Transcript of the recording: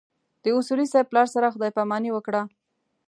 د اصولي صیب پلار سره خدای ج پاماني وکړه.